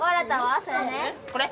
これ？